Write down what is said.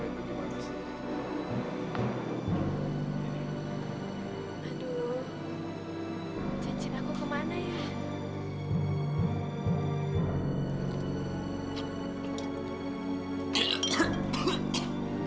aduh cincin aku kemana ya